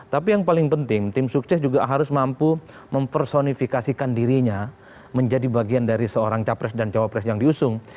tapi yang paling penting tim sukses juga harus mampu mempersonifikasikan dirinya menjadi bagian dari seorang capres dan cawapres yang diusung